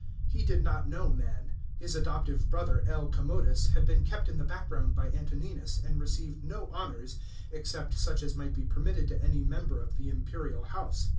He did not know men. His adoptive brother L. Commodus had been kept in the background by Antoninus, and received no honours except such as might be permitted to am member of the imperial house.